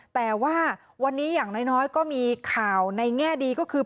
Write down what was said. แต่ว่าวันนี้อย่างน้อยก็มีข่าวในแง่ดีก็คือ